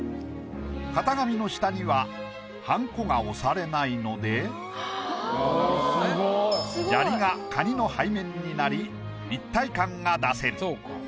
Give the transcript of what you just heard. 型紙の下にははんこが押されないので砂利がカニの背面になり立体感が出せる。